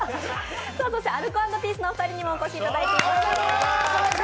アルコ＆ピースのお二人にもお越しいただいています。